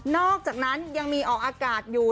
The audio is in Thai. อกจากนั้นยังมีออกอากาศอยู่